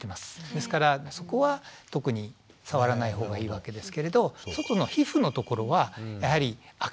ですからそこは特に触らないほうがいいわけですけれど外の皮膚のところはやはりあかが出るという。